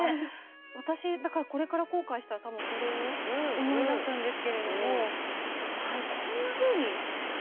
私だからこれから後悔したら多分これを思い出すんですけれどもああこんなふうに表現すると。